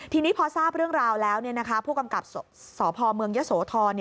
ทีนี้พอทราบเรื่องราวแล้วผู้กำกับสพเมืองยะโสธร